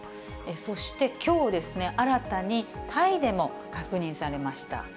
そしてきょう、新たにタイでも確認されました。